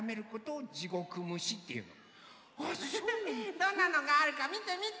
どんなのがあるかみてみて。